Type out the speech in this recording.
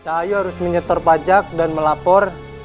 cahayu harus menyetor pajak dan melapor